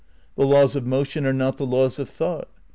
The laws of motion are not the laws of thought.